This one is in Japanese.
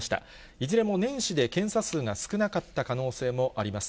いずれも年始で検査数が少なかった可能性もあります。